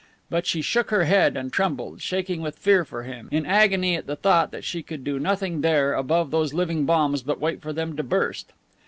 But she shook her head and trembled, shaking with fear for him, in agony at the thought that she could do nothing there above those living bombs but wait for them to burst.